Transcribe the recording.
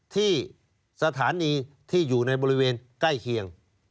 ที่สถานีที่อยู่ในบริเวณใกล้เคียง